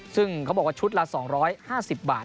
ซึ่งเขาบอกว่าชุดละ๒๕๐บาท